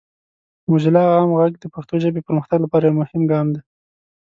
موزیلا عام غږ د پښتو ژبې پرمختګ لپاره یو مهم ګام دی.